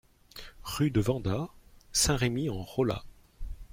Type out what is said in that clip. Rue de Vendat, Saint-Rémy-en-Rollat